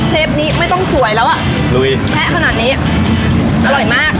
เทปนี้ไม่ต้องสวยแล้วอ่ะลุยแพะขนาดนี้อร่อยมาก